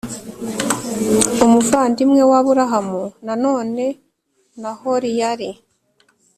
umuvandimwe wa Aburahamu Nanone Nahori yari